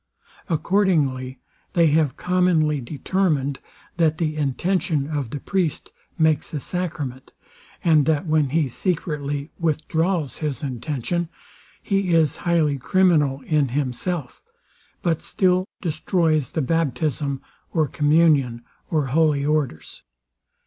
Accordingly they have commonly determined, that the intention of the priest makes the sacrament, and that when he secretly withdraws his intention, he is highly criminal in himself; but still destroys the baptism, or communion, or holy orders.